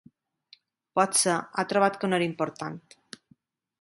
Potser ha trobat que no era important.